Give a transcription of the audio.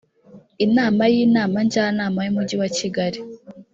inama y’inama njyanama y’ umujyi wa kigali